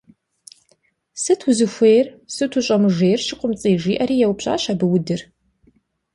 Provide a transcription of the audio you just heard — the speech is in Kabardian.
Сыт узыхуейр, сыт ущӀэмыжейр, ШыкъумцӀий, - жиӀэри еупщӀащ абы Удыр.